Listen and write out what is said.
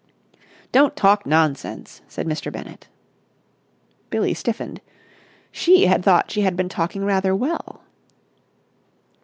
'" "Don't talk nonsense!" said Mr. Bennett. Billie stiffened. She had thought she had been talking rather well.